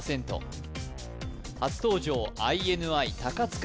初登場ＩＮＩ塚